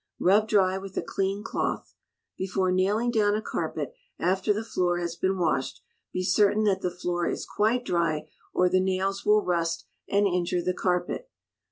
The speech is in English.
Rub dry with a clean cloth. Before nailing down a carpet after the floor has been washed, be certain that the floor is quite dry, or the nails will rust and injure the carpet.